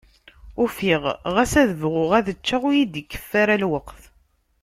Ufiɣ ɣas ad bɣuɣ ad ččeɣ, ur yi-d-ikeffu ara lweqt.